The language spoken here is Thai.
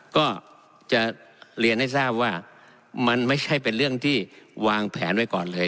ก็จะเรียนให้ทราบว่ามันไม่ใช่เป็นเรื่องที่วางแผนไว้ก่อนเลย